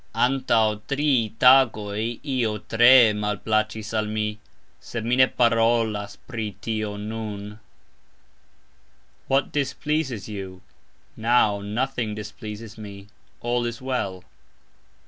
Antaux tri tagoj "io" tre malplacxis al mi, sed mi ne parolas pri "tio" nun. "What" displeases you? Now "nothing" displeases me, "all" is well.